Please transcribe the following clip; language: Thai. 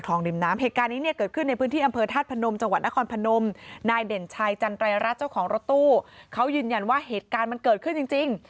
เขายืนยันว่าเหตุการณ์มันเกิดขึ้นจริง